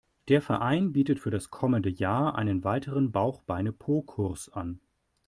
Der Verein bietet für das kommende Jahr einen weiteren Bauch-Beine-Po-Kurs an.